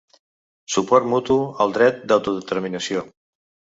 Suport mutu al dret d’autodeterminació.